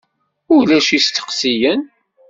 Ulac isteqsiyen?